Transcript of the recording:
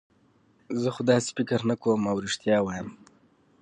زه خو داسې فکر نه کوم، اوه رښتیا وایم.